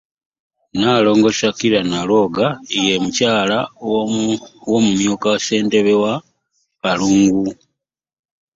Nnalongo Shakirah Nalwoga, ye mukyala w'amyuka Ssentebe wa Kalungu